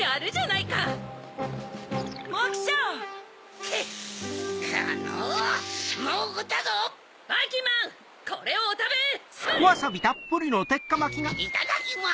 いただきます！